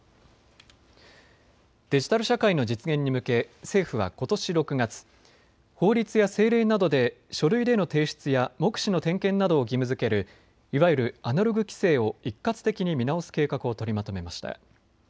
デジタル社会社会の実現に向け政府はことし６月、法律や政令などで書類での提出や目視の点検などを義務づけるいわゆるアナログ規制を一括的に見直す計画を取りまとめました。